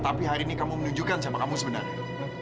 tapi hari ini kamu menunjukkan siapa kamu sebenarnya